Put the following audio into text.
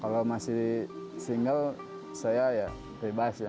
kalau masih single saya ya rebive ya